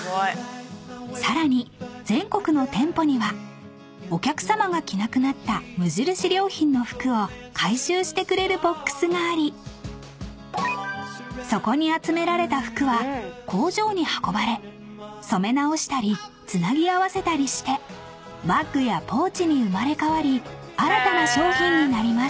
［さらに全国の店舗にはお客さまが着なくなった無印良品の服を回収してくれるボックスがありそこに集められた服は工場に運ばれ染め直したりつなぎ合わせたりしてバッグやポーチに生まれ変わり新たな商品になります］